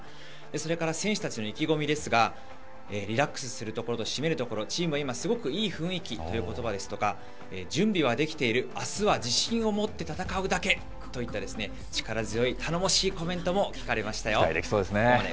それから選手たちの意気込みですが、リラックスするところと締めるところ、チームは今、すごくいい雰囲気ということばですとか、準備はできている、あすは自信を持って戦うだけといった、力強い、頼もしい期待できそうですね。